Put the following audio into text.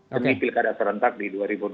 demi pilkada terhentak di dua ribu dua puluh empat